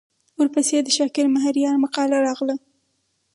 ورپسې د شاکر مهریار مقاله راغله.